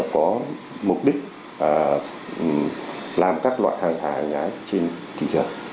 có mục đích làm các loại hàng giả hàng nhái trên thị trường